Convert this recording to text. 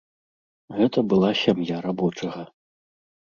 Гэта была сям'я рабочага.